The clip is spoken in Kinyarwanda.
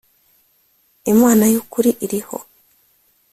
Imana y ‘ukuri iriho.